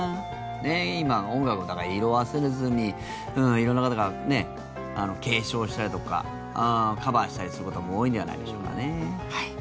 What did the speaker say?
今も音楽、色あせずに色んな方が継承したりだとかカバーしたりすることも多いんじゃないでしょうかね。